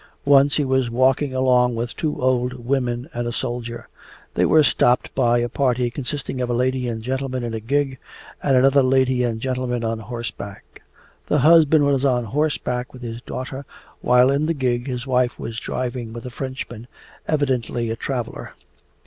Once he was walking along with two old women and a soldier. They were stopped by a party consisting of a lady and gentleman in a gig and another lady and gentleman on horseback. The husband was on horseback with his daughter, while in the gig his wife was driving with a Frenchman, evidently a traveller.